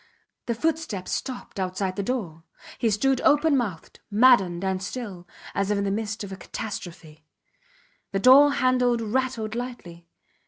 The footsteps stopped outside the door. He stood openmouthed, maddened and still, as if in the midst of a catastrophe. The door handle rattled lightly.